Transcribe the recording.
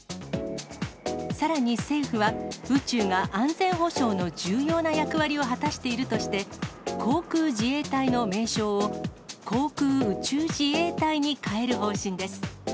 さらに、政府は宇宙が安全保障の重要な役割を果たしているとして、航空自衛隊の名称を、航空宇宙自衛隊に変える方針です。